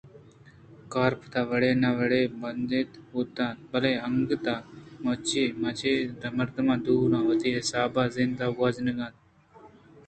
کار پدا وڑے نہ وڑے بندات بوت اَنت بلئے انگتءَ ماچہ مردماں دور ءُوتی حسابءَ زند گوٛازینگ ءَاِتاں